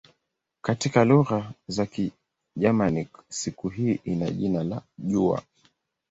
Katika lugha za Kigermanik siku hii ina jina la "jua".